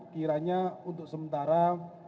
kiranya untuk sementara